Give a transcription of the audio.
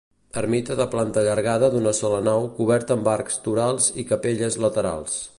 Ermita de planta allargada d'una sola nau coberta amb arcs torals i capelles laterals.